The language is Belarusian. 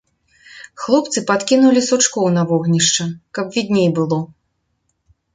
Хлопцы падкінулі сучкоў на вогнішча, каб відней было.